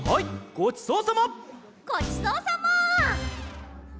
ごちそうさま。